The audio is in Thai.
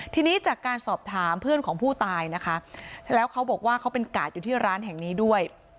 ทีนี้จากการสอบถามเพื่อนของผู้ตายนะคะแล้วเขาบอกว่าเขาเป็นกาดอยู่ที่ร้านแห่งนี้ด้วย